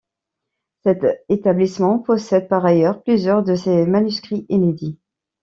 Cet établissement possède par ailleurs plusieurs de ses manuscrits inédits.